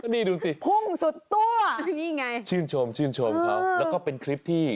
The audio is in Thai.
นี่ดูสิชื่นชมเขาแล้วก็เป็นคลิปที่